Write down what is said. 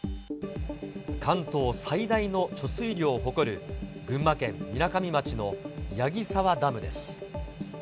関東最大の貯水量を誇る、群馬県みなかみ町の矢木沢ダムです。